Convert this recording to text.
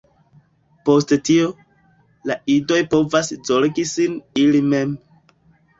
Post tio, la idoj povas zorgi sin ili mem.